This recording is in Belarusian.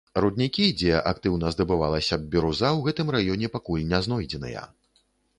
Руднікі, дзе актыўна здабывалася б біруза, у гэтым рэгіёне пакуль не знойдзеныя.